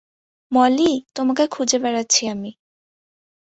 মলি, তোমাকে খুঁজে বেড়াচ্ছি আমি।